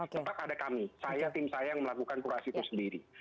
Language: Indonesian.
tetap ada kami saya tim saya yang melakukan kurasi itu sendiri